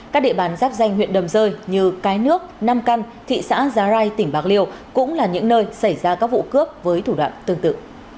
các địa bàn giáp danh huyện đầm rơi như cái nước nam căn thị xã giá rai tỉnh bạc liêu cũng là những nơi xảy ra các vụ cướp với thủ đoạn tương tự